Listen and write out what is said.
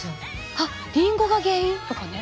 「あっリンゴが原因？」とかね。